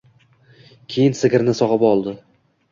Keyin sigirni sogʻib oldi.